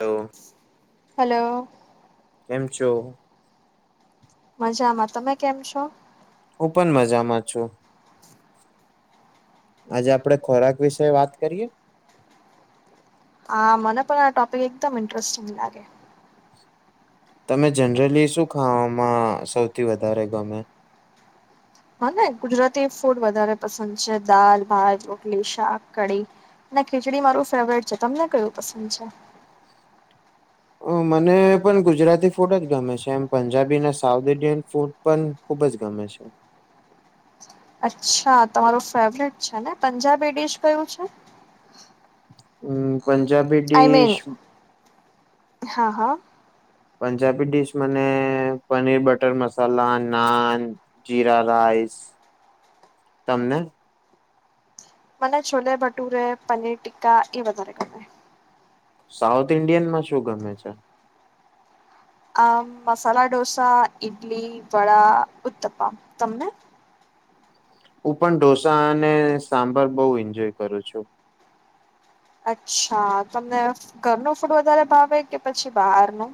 તો હલો કેમચો મજામાં તમે કેમ છો. હું પણ મજામાં છુ. આજે આપડે ખોરાક વિશે વાત કરીએ હા મને પણ આ ટોપિક એકદમ ઇન્ટરેસ્ટિંગ લાગે તમે જનરલી શું ખાવામાં સૌથી વધારે ગમે હા ને ગુજરાતી ફૂડ વધારે પસંદ છે, દાલ ભાત રોટલી શાક કઢી ના ખીચડી મારું ફેવરેટ છે તમને કયું પસંદ છે. મને પણ ગુજરાતી ફૂડ જ ગમે છે, એમ પંજાબી અને સાઉથ ઇન્ડિયન ફૂડ પણ ખુબ જ ગમે છે. અચ્છા તમારું ફેવરટ છે ને પંજાબી ડડીશ કયું છે. હમ પંજાબી આઈ મીન ડીિશ હા હા પંજાબી ડીશ મને પનીર બટર મસાલા નાન જીરા રાઈસ તમને મને છોલે ભટુરે પનીર ટી્કા એ વધારે ગમાય સાઉથ ઇન્ડિયન માં શું ગમે છે. આ મસાલા ડોસા ઈડલી વડા ઉત્તપા તમને હું પણ ઢોસા અને સાંભર બઉુ એન્જોય કરું છુ. અચ્છા તમને ઘરનું ફૂડ વધારે ભાવે કે પછી બહારનું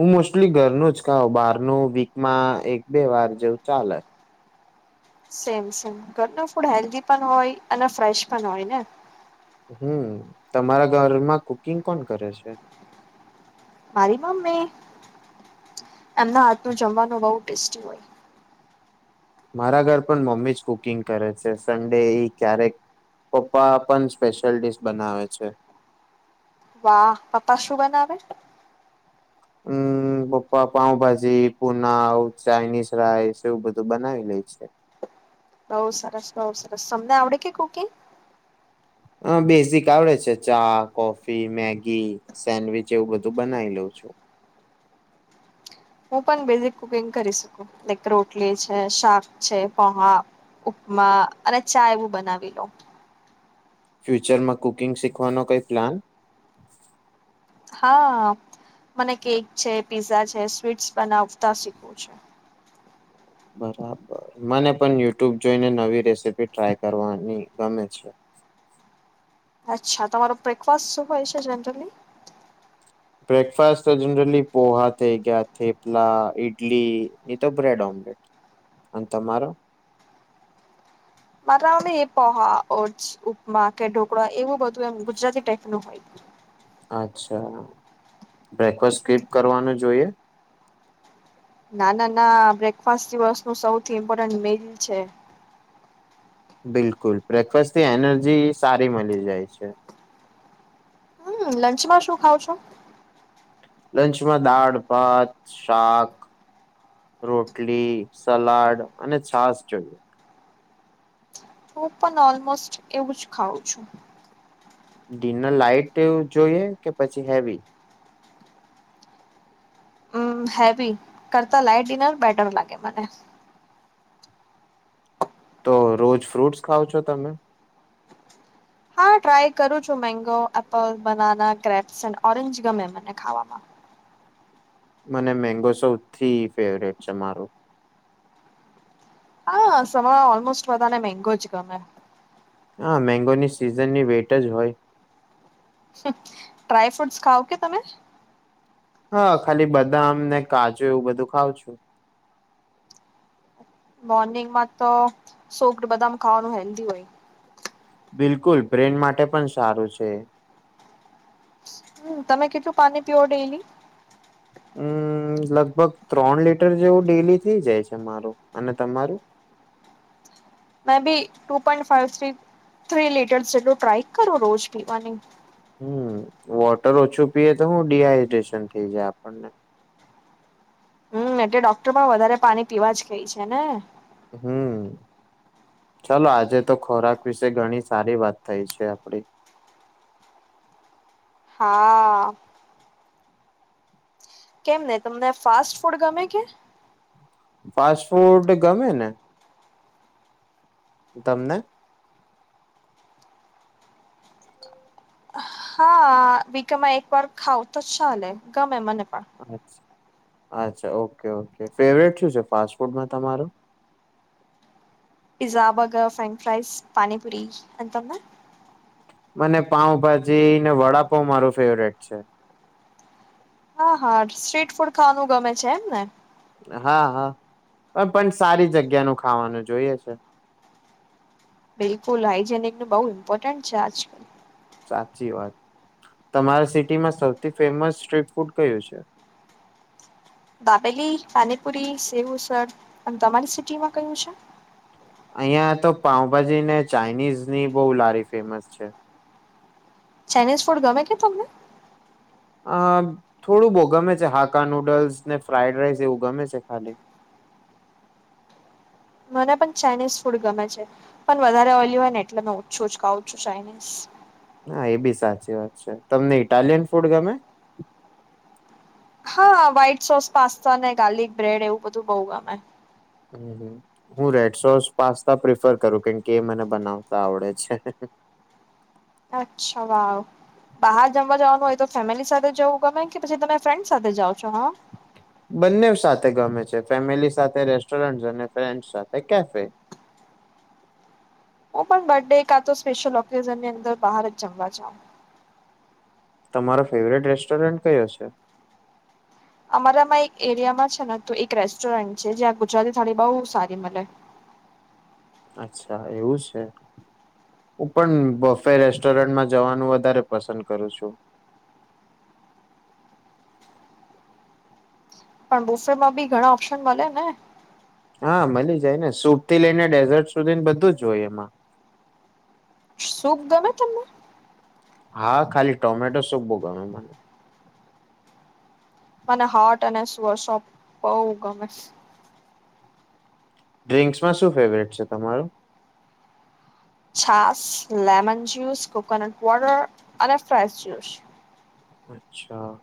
હું મોસ્ટલી ઘરનું જ કહઉ બાર ન વીકમાં એક બે વાર જેવું ચાલે સેમ સેમ ઘર ન ફૂડ હેલ્ધી પણ હોય અને ફ્રેશ પણ હોય ને હમ તમારા ઘરમાં કુકિંગ કોણ કરે છે. મારી મમ્મી એમના હાથ ન જમવાનું બહુ ટેસ્ટી હોય મારા ઘર પણ મમ્મી જ કુકિંગ કરે છે સન્ડે ક્યારેક પપ્પા પણ સ્પેશિયલ ડીશ બનાવે છે. વાહ પપ્પા શું બનાવે હમ્મ પપ્પા પાઉભાજી પુનાવ ચાઇનીઝ રાઇસ એવું બધું બનાવી લે છે. બઉુ સરસ બઉુ સરસ તમને આવડે કે કુકિંગ અ બેઝિક આવડે છે, ચા કોફી મેગી સેન્ડવીચ એવું બધું બનાવી લઉં છુ. હું પણ બેઝિક કુકિંગ કરી શકું લક રોટલી છે શાક છે, પહા ઉપમા અને ચા એવું બનાવી લો ફ્યુચરમાં કુકિંગ શીખવાનો કઈ પ્લાન હા મને કેક છે પીઝા છે સ્વીટ્સ બનાવતા શીખવું છે. બરાબર મને પણ યુટ્યુબ જોઈને નવી રેસીપી ટ્રાય કરવાની ગમે છે. અચ્છા તમારો બ્રેકફાસ્ટ શું હોય છે, જનરલી બ્રેકફાસ્ટ તો, જનરલી પોહા થઈ ગયા થેપલા, ઈડલી, [unintelligible] તો બ્રેડ. અને, તમારો મારાને એ પોહા [inaudible] ઉપમા કે ઢોકળા એવું બધું, એમ ગુજરાતી ટાઈપ નું હોય. અચ્છા, બ્રેકફાસ્ટ સ્કીપ કરવાનું જોઈએ. ના, ના, ના બ્રેકફાસ્ટ દિવસ નું સૌથી ઇમ્પોર્ટન્ટ મેલ છે. બિલકુલ, બ્રેકફાસ્ટ થી એનર્જી સારી મલી જાય છે. હમ, લંચમાં શું ખાવ છો. લંચમાં દાળ, ભાત, શાક રોટલી, સલાડ અને છાસ હું પણ, ઓલમોસ્ટ એવું જ ખાઉં છુ. ડિનર લાઈટ જોઈએ, કે પછી હેવી. હેવી કરતા લાઈટ, ડિનર બેટર લાગે મને. તો, રોજ ફ્રૂટ્સ ખાવ છો તમે હા, ટ્રાય કરું છું mango, apple, banana, grapes and orange ગમે મને ખાવામા મને મેંગો, સૌથી ફેવરેટ છે મારું હા, સૌળ આઓલ્મોસ્ટ વાતાને મેંગો જ ગ મે. હા, મેંગોની સિઝનની વેટ જ હોય. હ.. ડ્રાય ફ્રૂટસ ખાવ કે તમે. હા ખાલી, બદામ ને કાજુ એવું બધું ખાવં છું. મોર્નિંગમાં તો સોપડ બદામ ખાવાનું હેલ્ધી હોય. બિલકુલ બ્રેન, માટે પણ સારું છે. હમ્ તમે કીધું પાણી પીઓ ડેલી. હમ લગ-ભગ ત્રણ લીટર, જેવું ડેલી થઇ જાય છે મારું અને તમારું? Maybe two point five three litre, ટ્ર કરો રોજ પીવા ની. હમ, વોટર ઓછું પીએ તો, હુ ડીહાઈડ્રેશન થઇ જાય આપણને હમ, એટલે ડોક્ટર પણ વધારે પાણી, પીવા જ ખઈ છે ને. હમ્મ ચાલો આજે તો ખોરાક વિશે ઘણી સારી વાત થઈ છે, આપડી હા. કેમ, ને તમને ફાસ્ટ ફૂડ ગમે કે ફાસ્ટ-ફૂડ ગમે ને. તમને. હા, વીકમાં એક વાર ખાવ તો ચાલે, ગમે મને પણ. અચ્છા ઓકે -ઓકે ફેવરેટ શું છે ફાસ્ટ ફૂડમાં તમારે pizza, burger, French fries pani puri એંતમાં. મને, પાઉ-ભાજી ને વડાપાઉં મારું ફેવરેટ છે. હા,, હા સ્ટ્રીટ ફૂડ ખાવાનું ગમે છે. એમને હા- હા, પણ -પણ સારી જગ્યા ન ખાવાનું જોઈએ છે. બિલકુલ હાજે [unintelligible] નિક ન બઉ ઇમ્પોર્ટન્ટ છે, આજ-કાલ સાચી વાત, તમારા સિટીમાં સૌથી ફેમસ સ્ટ્રીટ ફૂડ કયું છે. દાબેલી, પાની, -પુરી સેવુંસર તમારી સિટીમાં કયું છે. અહિયાં તો, પાઉ-ભાજી ને ચાાઈનીઝ ની બહુ લારી ફેમસ છે. ચાઇનીઝ ફૂડ, ગમે કે તમને. અ થોડું બહુ ગમે છે. હાકા નુડલ્સ ને ફ્રાઈડ રાઈસ, એવું ગમે છે ખાલી. મને -પણ ચાઇનીઝ ફૂડ ગમે છે. પણ વધારે ઓઇલી હોય, ને એટલે મે ઓછું જ ખાઉ છું ચાઇનીઝ. હા એ બી સાચી વાત છે. તમને ઇટાલિયન ફૂડ ગમે,? હા વ્હાઈટ સોસ, - પાસ્તા ને ગાર્લિક, બ્રેડ એવું બધું બઉુ ગમે. હ, હું રેડ સોસ, પાસ્તા પ્રિફર કરું, કેમકે એ મને બનાવતા આવડે છે. હે, હે. અચ્છા વાહ બહાર જમવા જવાનું હોય! તો ફેમિલી સાથે જવું ગમે કે પછી તમે ફ્રેન્ડ સાથે જાઓ છો. હ. બંને સાથે ગમે છે ફેમિલી સાથે રેસ્ટોરન્ટ અને ફ્રેન્ડ સાથે કેફે હું પણ બર્ ડે એકા તો સ્પેશિયલ ઓકેઝન ની અંદર બહાર જમવા જાઉ તમારો ફેવરેટ રેસ્ટોરન્ટ કયો છે. અમારામાં એક એરિયામાં છે ને ત એક રેસ્ટોરન્ટ છે, જ્યાં ગુજરાતી થાળી બહઉ સારી મળે અચ્છા એવું છે. હું પણ બફે રેસ્ટોરન્ટમાં જવાનું વધારે પસંદ કરું છુ. પણ બુફે માં ઘણા ઓપ્શન મળ્યા ને હા મળી જાય ને સૂટ થી લઈ ને ડેઝર્ટ સુધી ને બધું જ જોય એમાં. શુંપ ગમે તમને? હા ખાલી ટોમેટો સૂપ બહુ ગમે મને. મને હાર્ટ અને [unintelligible] શોપ બહુ ગમે. ડ્રિન્ક્સમાં શું ફેવરેટ છે તમારું? છાસ લેમન જ્યુસ કોકોનટ વોટર અને ફ્રેશ જ્યુસ. અચ્છા.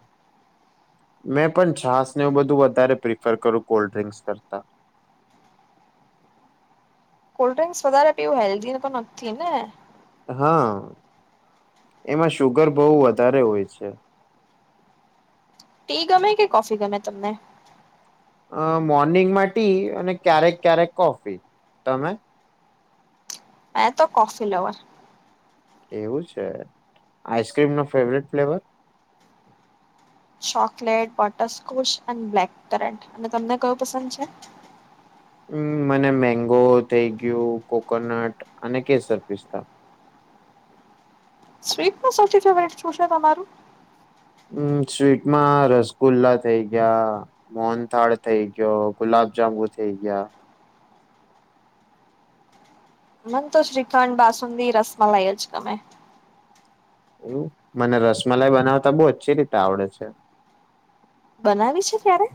મેં પણ છાસને બધું વધારે પ્રિફર કરું કોલ્ડ્રિંકસ કરતા. કોલ્ડ્રિંક્સ વધારે પીવું હેલ્ધી નથી ને. હા એમાં સુુગર બહુ વધારે હોય છે. ટી ગમે કે કોફી ગમે તમને? અ મોર્નિંગમાં ટી અને ક્યારેક ક્યારેક કોફી તમે? મે તો કોફી લવર. એવું છે, આઈસ્ક્રીમ નો ફેવરેટ ફ્લેવર? ચોકલેટ બટરસ્કોચ એ બ્લેક કેરટ અને તમને કયું પસંદ છે? હમ મને મેંગો થઇ ગયું કોકોનટ અને કેસર પિસ્તા. સ્વીટ સૌથી ફેવરેટ શું છે તમારું? હમ સ્વીટમાં રસગુલ્લા થઇ ગયા મોનથાળ થઈ ગયો ગુલાબ જાંબુ થઇ ગયા મને તો શ્રીખંડ બાસુંદી રસમલાઈ જ ગમે. એવું મને રસમલાઈ બનાવતા બહું ઓછી રીતે આવડે છે. બનાવી છે ક્યારે?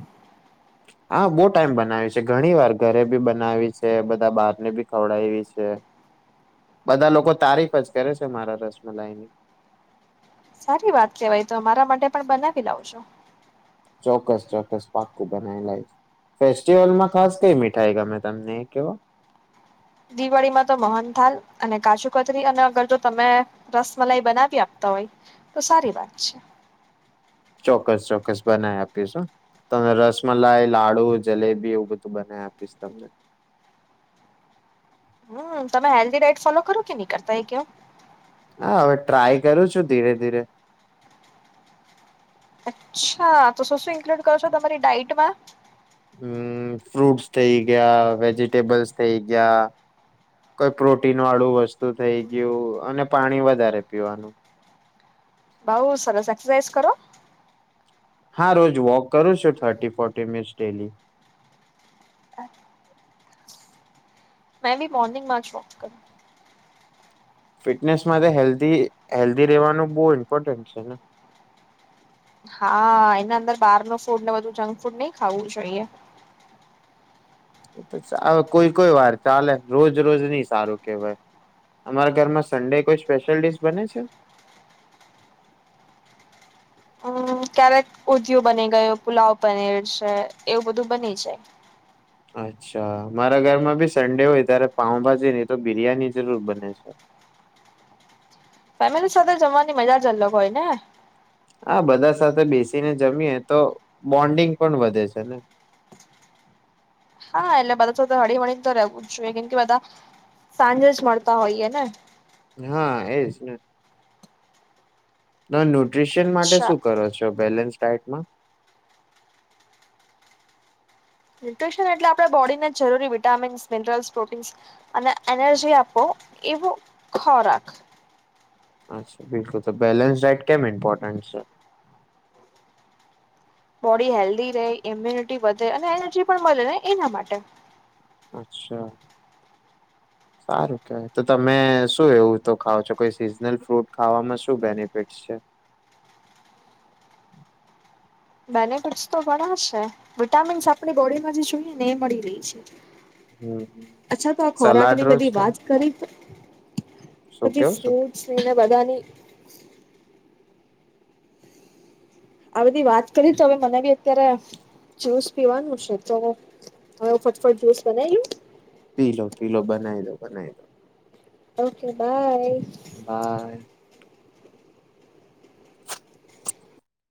હા બહુ ટાઈમ બનાવ છે ઘણી વાર ઘરે બી બનાવી છે બધા બહાર ને બી ખવડાવી છે. [inaudible] બધા લોકો તારીફ જ કરે છે મારા રસમલાઈની. સારી વાત કેવાય તો અમારી માટે પણ બનાવી લાવ જો. ચોક્કસ ચોક્કસ પાક્કું બનાયી લાવીશ. ફેસ્ટિવલ માં ખાસ કઈ મીઠાઈ ગમે તમને કેવો? દિવાળીમાં તો મોહનથાલ અને કાચુ કતરી અને અગર જો તમે રસમલાઈ બનાવી આપતા હોય તો સારી વાત છે. ચોક્કસ ચોક્કસ બનાવી આપીશું. તને રસમલાઈ લાડુ જલેબી એવું બધું બનાવી આપીશ તમને. હમ તમે હેલ્ધી ડાયટ ફોલો કરો કે નહી કરતા એ કો? હા હવે ટ્રાય કરું છું ધીરે ધીરે. અચ્છા તો શું શું ઇન્ક્લુડ કરો છો તમારી ડાટમાં? હમ ફ્રુટસ થઇ ગયા વેજીિટેબલ્સ થઇ ગયા. કઈ પ્રોટીન વાળું વસ્તુ થઈ ગયું અને પાણી વધારે પીવાનું. બહું સરસ એક્સરસાઈઝ કરો? હા રોજ વોક કરું છું thirty forty minutes daily. Maybe મોર્નિંગમાં જ વોક કરું. ફિટનેસ માટે હેલ્ધી હેલ્ધી રેવાનું બહુ ઇમ્પોર્ટન્ટ છે ને. હા એના અંદર બહાર ન ફૂડ ને બધું જંક ફૂડ નહી ખાવું જોઈએ. કોઈ કોઈ વાર ચાલે રોજ રોજ નઈ સારું કેહેવાય. અમારા ઘરમાં સન્ડે કોઈ સ્પેશિયલ ડીશ બને છે? હમ ક્યારેક ઉધિયું બની ગયું પુલાવ પનીર છે એવું બધું બની જાય. અચ્છા મારા ઘરમાં બી સન્ડે હોય ત્યારે પાઉંભાજી નહીં તો બિરિયાની જરૂર બને છે. ફેમિલી સાથે જમવાની મજા જ અલગ હોય ને. હા બધા સાથે બેસીને જમીએ તો બોન્ડિંગ પણ વધે છે ને. હા એટલે બધા તો તો હળીમળી ને તો રહેવું જ જોઈએ કેમ કે બધા સાંજે જ મળતા હોઈએ ને. હા એજ ને. નો ન્યુટ્રીશન માટે અચ્છા શું કરો છો બેલેન્સ ડાયટમાં? ન્યુટ્રીશન એટલે આપણે બોડીને જરૂરી વિટામિન્સ મિનરલ્સ પ્રોટીન્સ અને એનર્જી આપો એવું ખોરાક. અચ્છા બિલકુલ તો બેલેન્સ ડાયટ કેમ ઈમ્પોર્ટન્ટ છે. બોડી હેલ્ધી રહે ઇમ્યુનિટી વધે અને એનર્જી પણ મળે ને એના માટે. અચ્છા [unintelligible] સારું કેવાય તો તમે શું એવું તો ખાવ છો કોઈ સિઝનલ ફ્રૂટ ખાવામાં શું બેનિફિટ છે. બેનફિટ્સ તો ઘણા છે વિટામિન્સ આપણી બોડીમાં જે જોઈએ ને એ મળી રહી છે. હમ અચ્છા તો આ સલાડ ખોરાકની રોજ બધી ખા વાત કરી શું પછી કેવું શું ફ્રુટશ ની બધાની આ બધી વાત કરી તો હવે મને બી અત્યારે જુસ પીવાનું છે તો હવે ફટફટ જ્યુસ બનાવી લઉં. પીલો પીલો બનાવી લો બનાવી લો. Okay bye. બાય